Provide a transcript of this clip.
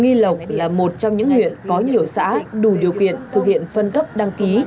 nghi lộc là một trong những huyện có nhiều xã đủ điều kiện thực hiện phân cấp đăng ký